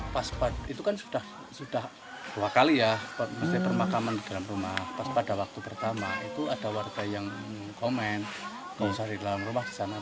pas pada waktu pertama ada warga yang komen